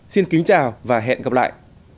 xin kính chào và hẹn gặp lại